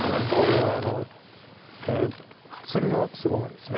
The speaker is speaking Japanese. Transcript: これは鶴の巣ごもりです。